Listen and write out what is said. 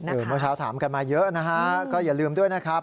เมื่อเช้าถามกันมาเยอะนะฮะก็อย่าลืมด้วยนะครับ